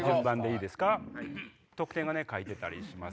得点が書いてたりします。